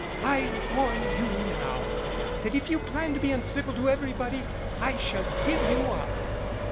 I warn you now that if you plan to be uncivil to everybody I shall give you up."